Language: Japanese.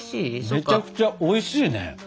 めちゃくちゃおいしいね。